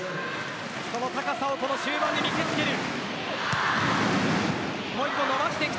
その高さを終盤に見せ付ける。